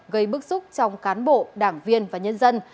gây bức xúc trong cán bộ đảng viên và nhân dân